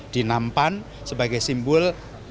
dinampan sebagai simbol